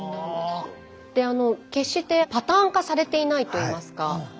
決してパターン化されていないといいますか。